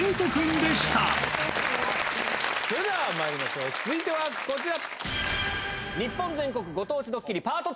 それではまいりましょう続いてはこちら！